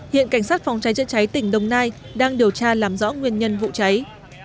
hiện cảnh sát phòng cháy chữa cháy tỉnh đồng nai đang điều tra làm rõ nguyên nhân vụ cháy